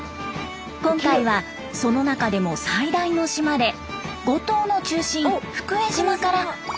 今回はその中でも最大の島で五島の中心福江島から目的の島を目指します。